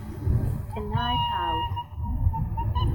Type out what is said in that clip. A Night Out